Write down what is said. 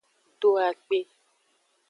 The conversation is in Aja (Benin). Do akpe.